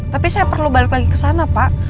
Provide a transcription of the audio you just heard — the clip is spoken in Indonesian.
tapi saya perlu balik lagi kesana pak